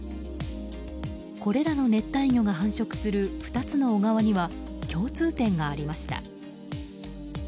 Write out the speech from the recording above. これらの熱帯魚が繁殖する２つの小川には共通点がありました。